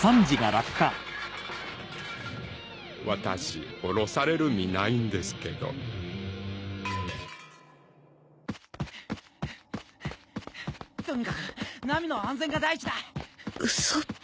私オロされる身ないんですけどとにかくナミの安全が第一だウソップ？